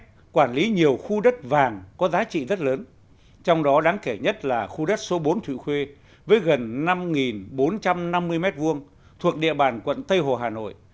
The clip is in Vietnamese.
đã quản lý nhiều khu đất vàng có giá trị rất lớn trong đó đáng kể nhất là khu đất số bốn thụy khuê với gần năm bốn trăm năm mươi m hai thuộc địa bàn quận tây hồ hà nội